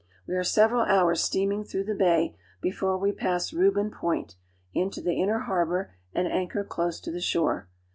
We are several hours steaming through the bay before we pass Reuben Point into the inner harbor and anchor close to the shore.